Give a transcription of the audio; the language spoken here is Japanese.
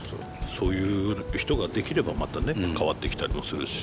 そういう人ができればまたね変わってきたりもするし。